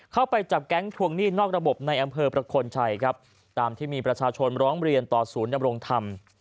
เข้าไปจับแก๊งทวงหนี้นอกระบบในอำเภอประคลชัยครับตามที่มีประชาชนร้องเรียนต่อศูนย์ดำรงธรรม